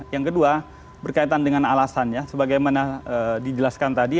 yang kedua berkaitan dengan alasannya sebagaimana dijelaskan tadi